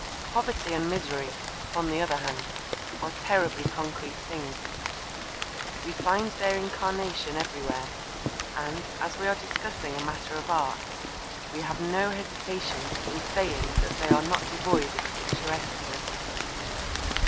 Poverty and misery, upon the other hand, are terribly concrete things. We find their incarnation everywhere and, as we are discussing a matter of art, we have no hesitation in saying that they are not devoid of picturesqueness.